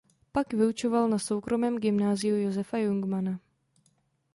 Pak vyučoval na soukromém gymnáziu Josefa Jungmanna.